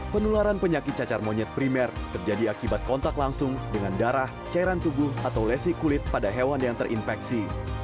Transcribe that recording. penularan penyakit cacar monyet primer terjadi akibat kontak langsung dengan darah cairan tubuh atau lesi kulit pada hewan yang terinfeksi